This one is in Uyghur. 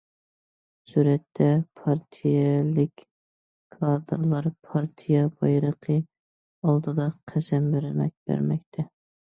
سۈرەتتە: پارتىيەلىك كادىرلار پارتىيە بايرىقى ئالدىدا قەسەم بەرمەكتە.